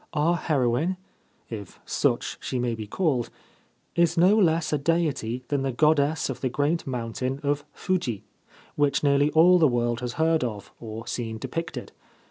Our heroine (if such she may be called) is no less a deity than the goddess of the great mountain of Fuji, which nearly all the world has heard of, or seen depicted.